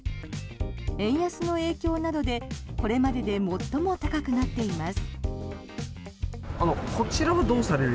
円安の影響などでこれまでで最も高くなっています。